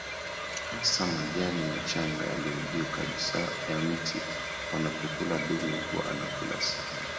hasa majani machanga yaliyo juu kabisa ya mti Wanapo kula dume huwa anakula sehemu